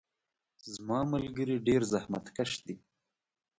زما ملګري ډیر زحمت کش دي.